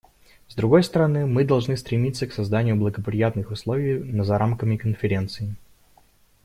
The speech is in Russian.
С другой стороны, мы должны стремиться к созданию благоприятных условий за рамками Конференции.